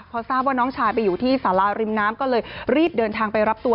พอทราบว่าน้องชายไปอยู่ที่สาราริมน้ำก็เลยรีบเดินทางไปรับตัว